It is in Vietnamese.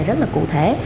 rất là cụ thể